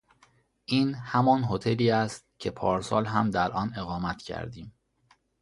این همان هتلی است که پارسال هم در آن اقامت کردیم.